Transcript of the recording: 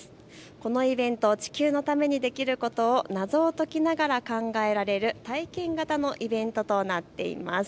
このイベント、地球のためにできることを謎を解きながら考える体験型のイベントとなっています。